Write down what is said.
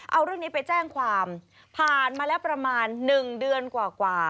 เอาเรื่องนี้ไปแจ้งความผ่านมาแล้วประมาณ๑เดือนกว่า